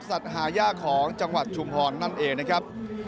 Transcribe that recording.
สัตว์หาย่าของจังหวัดชุมภรณ์นั่นเองนะครับ